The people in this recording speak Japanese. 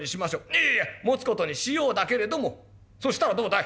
いやいや持つ事にしようだけれどもそしたらどうだい。